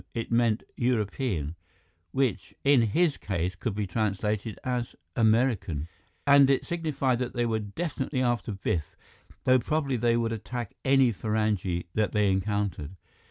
It meant "European" which in his case could be translated as "American" and it signified that they were definitely after Biff, though probably they would attack any Farangi that they encountered.